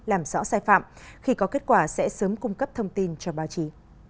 báo sai phạm khi có kết quả sẽ sớm cung cấp thông tin cho báo chí